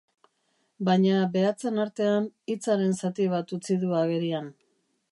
Baina behatzen artean hitzaren zati bat utzi du agerian.